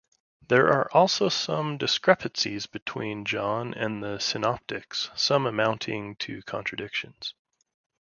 There are also some discrepancies between John and the synoptics, some amounting to contradictions.